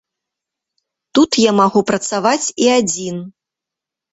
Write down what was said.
Тут я магу працаваць і адзін.